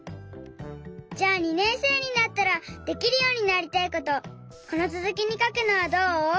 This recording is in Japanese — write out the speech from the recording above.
じゃあ２年生になったらできるようになりたいことこのつづきにかくのはどう？